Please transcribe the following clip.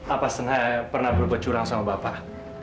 apa senang saya pernah berubah curang sama bapak